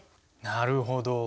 なるほど。